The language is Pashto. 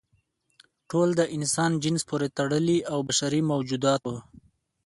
ټول د انسان جنس پورې تړلي او بشري موجودات وو.